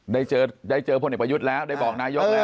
ได้เจอพลเอกประยุทธ์แล้วได้บอกนายกแล้ว